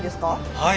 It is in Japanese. はい。